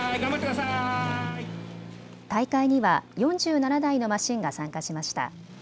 大会には４７台のマシンが参加しました。